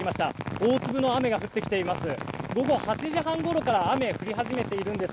大粒の雨が降ってきています。